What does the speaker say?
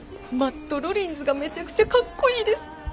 マット・ロリンズがめちゃくちゃかっこいいです。